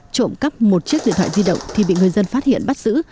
trộm cắp một chiếc điện thoại di động thì bị người dân phát hiện bắt giữ